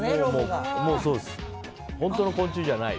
本当の昆虫じゃない。